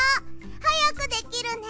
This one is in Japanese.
はやくできるね。